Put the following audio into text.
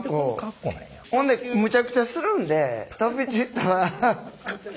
ほんでむちゃくちゃするんで飛び散ったら。